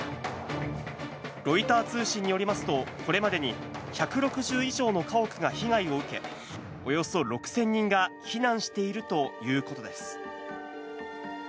ロイター通信によりますと、これまでに１６０以上の家屋が被害を受け、およそ６０００人が避難しているということです。